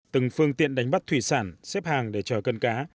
từng phương tiện đánh bắt thủy sản xếp hàng để chờ cân cá